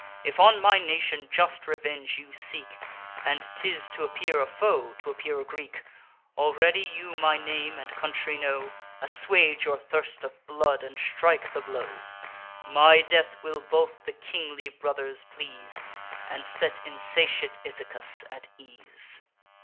If on my nation just revenge you seek, And 'tis t' appear a foe, t' appear a Greek; Already you my name and country know; Assuage your thirst of blood, and strike the blow: My death will both the kingly brothers please, And set insatiate Ithacus at ease.